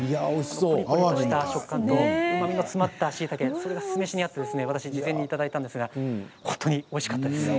コリコリとした食感とうまみの詰まったしいたけそれが酢飯に合って私、事前にいただいたんですが本当においしかったです。